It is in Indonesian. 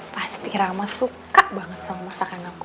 pasti rama suka banget sama masakan aku